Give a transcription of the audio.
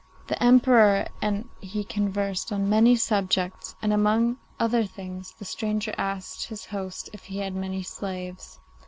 The Emperor and he conversed on many subjects, and, among other things, the stranger asked his host if he had many slaves.